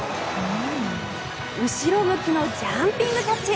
後ろ向きのジャンピングキャッチ。